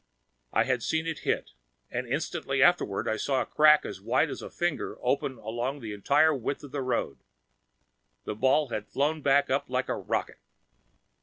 I had seen it hit, and instantly afterward I saw a crack as wide as a finger open along the entire width of the road. And the ball had flown back up like a rocket.